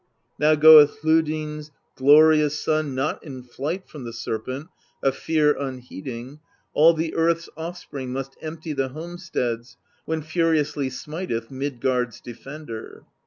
Now goeth Hlodyn's glorious son Not in flight from the Serpent, of fear unheeding; All the earth's offspring must empty the homesteads, When furiously smiteth Midgard's defender.